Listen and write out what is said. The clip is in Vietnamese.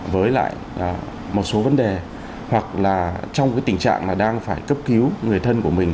với lại một số vấn đề hoặc là trong tình trạng là đang phải cấp cứu người thân của mình